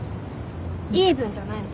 イーブンじゃないの。